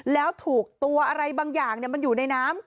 แล้วถูกตัวอะไรบางอย่างมันอยู่ในน้ำ